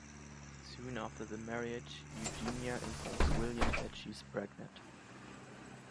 Soon after the marriage, Eugenia informs William that she is pregnant.